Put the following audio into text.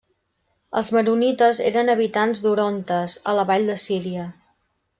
Els maronites eren habitants d'Orontes a la vall de Síria.